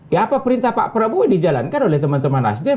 ya apa perintah pak prabowo dijalankan oleh teman teman nasdem